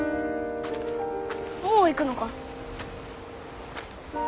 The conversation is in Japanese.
もう行くのか？